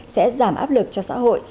sẽ giảm áp lực cho xã hội